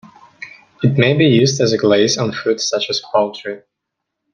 It may be used as a glaze on foods, such as poultry.